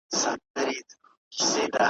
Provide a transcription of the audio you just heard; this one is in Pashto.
یوه بله کښتۍ ډکه له ماهیانو `